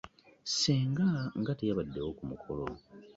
Ssenga nga teyabaddewo ku mukolo!